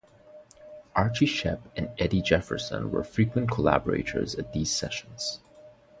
Archie Shepp and Eddie Jefferson were frequent collaborators at these sessions.